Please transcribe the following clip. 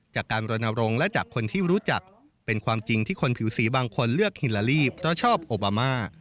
การรณรงค์และจากคนที่รู้จักเป็นความจริงที่คนผิวสีบางคนเลือกฮิลาลีเพราะชอบโอบามา